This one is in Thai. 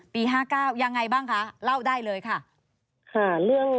ปี๕๙ค่ะ